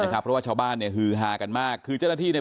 เพราะว่าชาวบ้านเนี่ยฮือฮากันมากคือเจ้าหน้าที่เนี่ย